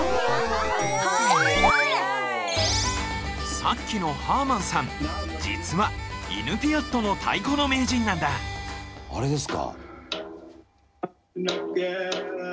さっきのハーマンさん実はイヌピアットの太鼓の名人なんだあれですか？